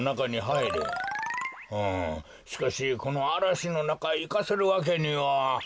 うんしかしこのあらしのなかいかせるわけには。